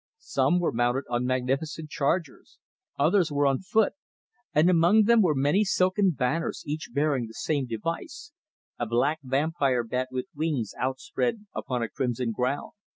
Some were mounted on magnificent chargers, others were on foot, and among them were many silken banners each bearing the same device, a black vampire bat with wings outspread upon a crimson ground.